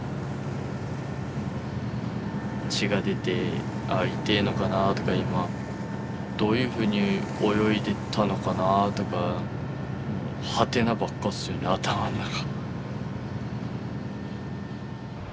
血が出てああいてえのかなあとか今どういうふうに泳いでたのかなあとかはてなばっかっすよね頭の中。